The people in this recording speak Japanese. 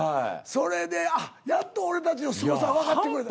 それであっやっと俺たちのすごさわかってくれた。